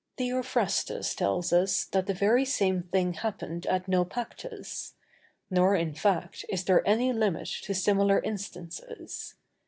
Theophrastus tells us, that the very same thing happened at Naupactus; nor, in fact, is there any limit to similar instances.